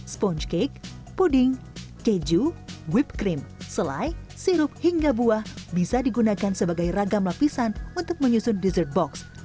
sponge cake puding keju whippe cream selai sirup hingga buah bisa digunakan sebagai ragam lapisan untuk menyusun dessert box